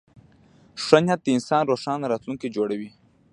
ښه نیت د انسان روښانه راتلونکی جوړوي.